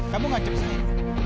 kamu ngajak saya